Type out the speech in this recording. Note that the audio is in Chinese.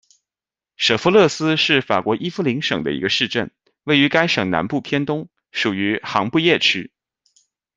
舍夫勒斯是法国伊夫林省的一个市镇，位于该省南部偏东，属于杭布叶区。